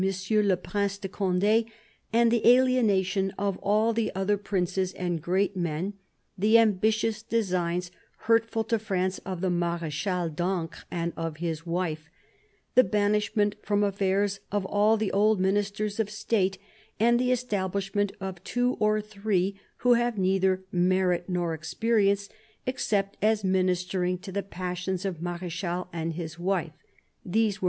le Prince de Conde and the alienation of all the other princes and great men, the ambitious designs, hurtful to France, of the Marechal d'Ancre and of his wife, the banishment from affairs of all the old Ministers of State, and the establishment of two or three who have neither merit nor experience, except as ministering to the passions of the Marechal and his wife (these were M.